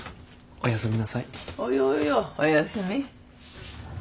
おやすみ。